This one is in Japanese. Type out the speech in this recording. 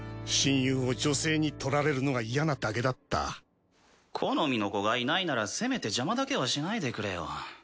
親友を女性に取られるのが嫌なだけだった好みの子がいないならせめて邪魔だけはしないでくれよ。